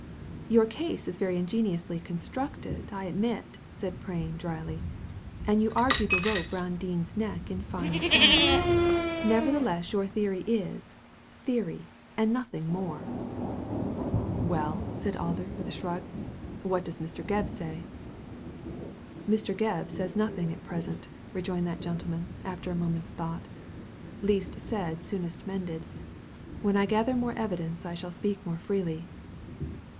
"Your case is very ingeniously constructed, I admit," said Prain, dryly, " and you argue the rope round Dean's neck in fine style. Nevertheless your theory is — theory, and nothing more." Digitized by Google THE REVELATION OF MR. PRAIN 153 Well/* said Alder, with a shrug, " what does Mr. Gebbsay?" '* Mr. Gebb says nothing at present/' rejoined that gentleman, after a moment's thought " Least said, soonest mended. When I gather more evidence I shall speak more freely."